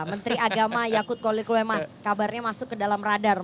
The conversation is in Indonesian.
menteri agama yakut kolikulemas kabarnya masuk ke dalam radar